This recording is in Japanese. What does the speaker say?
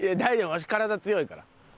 わし体強いから。